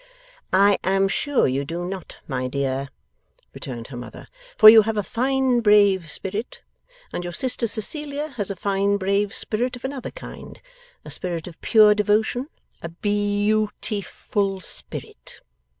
'I am sure you do not, my dear,' returned her mother, 'for you have a fine brave spirit. And your sister Cecilia has a fine brave spirit of another kind, a spirit of pure devotion, a beau ti ful spirit!